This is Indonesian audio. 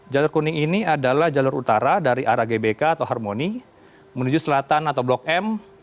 jalur kuning ini adalah jalur utara dari arah gbk atau harmoni menuju selatan atau blok m